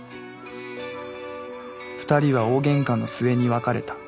２人は大げんかの末に別れた。